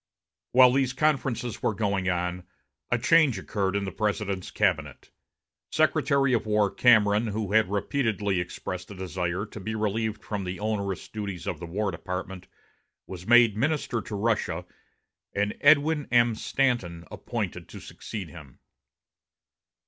While these conferences were going on, a change occurred in the President's cabinet; Secretary of War Cameron, who had repeatedly expressed a desire to be relieved from the onerous duties of the War Department, was made minister to Russia and Edwin M. Stanton appointed to succeed him.